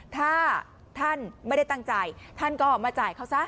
ถ้าท่านไม่ได้ตั้งใจท่านก็มาจ่ายเขาซะ